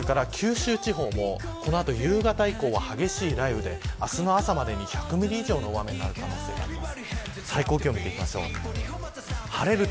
それから九州地方もこの後、夕方以降は激しい雷雨で明日の朝までに１００ミリ以上の雨の可能性があります。